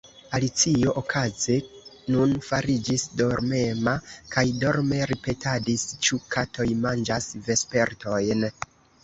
Alicio okaze nun fariĝis dormema, kaj dorme ripetadis:—"Ĉu katoj manĝas vespertojn? »